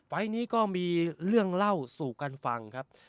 ไฟล์นี้ก็มีเรื่องเล่าสู่กันฟังครับ